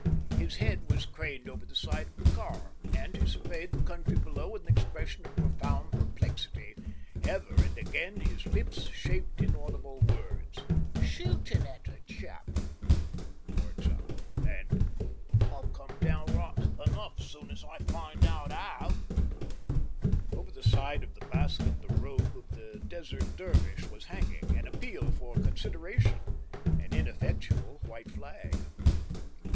His head was craned over the side of the car, and he surveyed the country below with an expression of profound perplexity; ever and again his lips shaped inaudible words. "Shootin' at a chap," for example, and "I'll come down right enough soon as I find out 'ow." Over the side of the basket the robe of the Desert Dervish was hanging, an appeal for consideration, an ineffectual white flag.